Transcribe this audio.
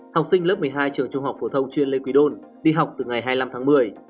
học sinh lớp một mươi hai trường trung học phổ thông chuyên lê quỳ đôn đi học từ ngày hai mươi năm tháng một mươi